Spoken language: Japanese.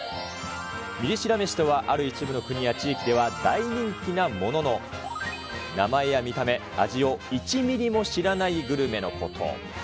ミリ知ら飯とはある一部の国や地域では大人気なものの、名前や見た目、味を１ミリも知らないグルメのこと。